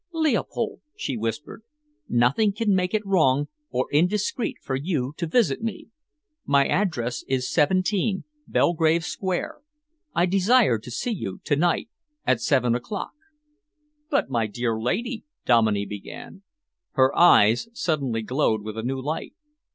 "Leopold," she whispered, "nothing can make it wrong or indiscreet for you to visit me. My address is 17, Belgrave Square. I desire to see you to night at seven o'clock." "But, my dear lady," Dominey began Her eyes suddenly glowed with a new light.